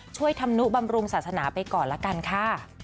ธรรมนุบำรุงศาสนาไปก่อนละกันค่ะ